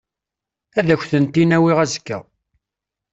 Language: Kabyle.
Ad ak-tent-in-awiɣ azekka.